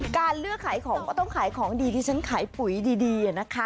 การเลือกขายของก็ต้องขายของดีดิฉันขายปุ๋ยดีนะคะ